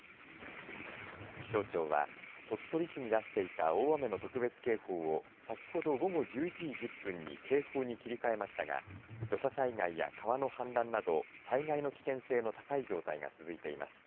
気象庁は鳥取市に出していた大雨の特別警報を先ほど午後１１時１０分に警報に切り替えましたが土砂災害や川の氾濫など災害の危険性の高い状態が続いています。